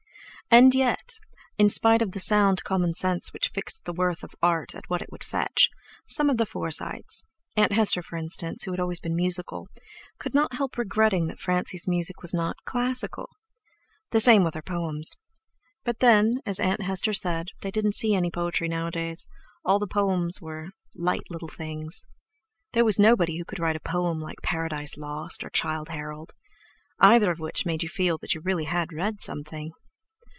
And yet, in spite of the sound common sense which fixed the worth of art at what it would fetch, some of the Forsytes—Aunt Hester, for instance, who had always been musical—could not help regretting that Francie's music was not "classical". the same with her poems. But then, as Aunt Hester said, they didn't see any poetry nowadays, all the poems were "little light things." There was nobody who could write a poem like "Paradise Lost," or "Childe Harold"; either of which made you feel that you really had read something.